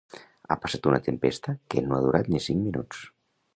Ha passat una tempesta que no ha durat ni cinc minuts